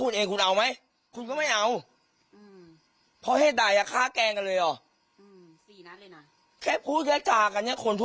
อื้มลูกชายแผ่นผู้เสกชีวิตบอก